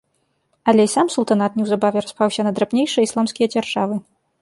Але і сам султанат неўзабаве распаўся на драбнейшыя ісламскія дзяржавы.